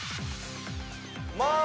まあ。